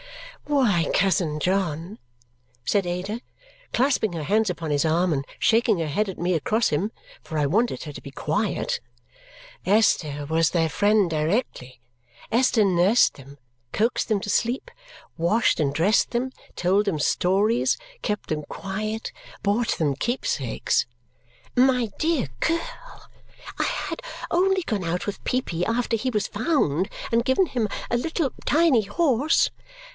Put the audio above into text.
"Why, cousin John," said Ada, clasping her hands upon his arm and shaking her head at me across him for I wanted her to be quiet "Esther was their friend directly. Esther nursed them, coaxed them to sleep, washed and dressed them, told them stories, kept them quiet, bought them keepsakes" My dear girl! I had only gone out with Peepy after he was found and given him a little, tiny horse!